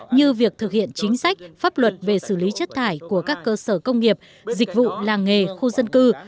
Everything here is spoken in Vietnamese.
như việc thực hiện chính sách pháp luật về xử lý chất thải của các cơ sở công nghiệp dịch vụ làng nghề khu dân cư